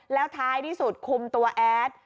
แล้วท้ายที่สุดคุมตัวแอด